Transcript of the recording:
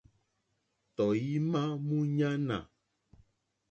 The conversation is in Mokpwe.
Tɔ̀ímá mǃúɲánà.